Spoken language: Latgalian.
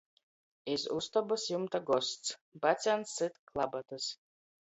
Iz ustobys jumta gosts! Bacjans syt klabatys.